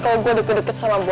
kalo gue deket deket sama boy